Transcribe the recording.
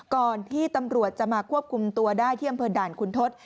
ก่อนที่ตำรวจจะมาควบคุมตัวได้ที่อำเภอด่านคุณทศ